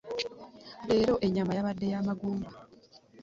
Leero enyama yabade yamagumba.